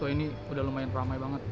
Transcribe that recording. ini udah lumayan ramai banget